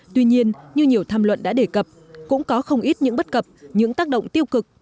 tuy nhiên như nhiều tham luận đã đề cập cũng có không ít những bất cập những tác động tiêu cực